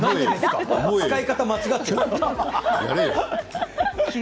使い方を間違ってる。